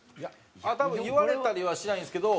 多分言われたりはしないんですけど